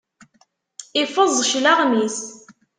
Iffeẓ cclaɣem-is.